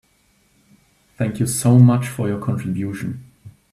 Thank you so much for your contribution.